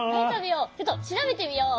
ちょっとしらべてみよう。